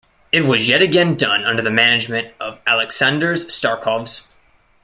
It was yet again done under the management of Aleksandrs Starkovs.